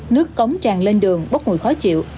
nước cống tràn lên đường bốc mùi khó chịu